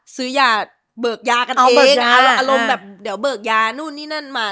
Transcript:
ซื้อยาเบิกยากันเอาเบิกยาว่าอารมณ์แบบเดี๋ยวเบิกยานู่นนี่นั่นมา